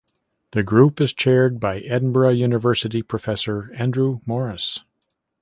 The group is chaired by Edinburgh University professor Andrew Morris.